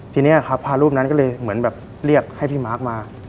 ทีนี้ครับพระรูปนั้นก็เลยเหมือนแบบเรียกให้พี่มาร์คมา